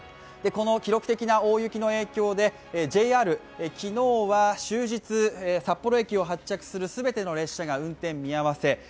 この記録的な大雪の影響でＪＲは終日、札幌駅を発着するすべての列車が運転見合せ。